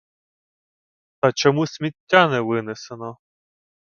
Та чому сміття не винесено?